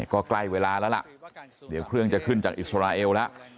ก็ใกล้เวลาแล้วล่ะเดี๋ยวเครื่องจะขึ้นจากอิสราเอลแล้ว